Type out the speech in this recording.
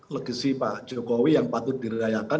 legasi pak jokowi yang patut dirayakan